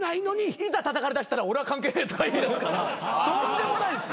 いざたたかれだしたら俺は関係ねえとか言いだすからとんでもないっすよ。